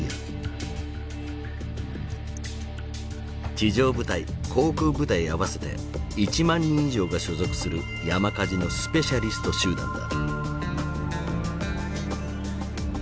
地上部隊航空部隊合わせて１万人以上が所属する山火事のスペシャリスト集団だ。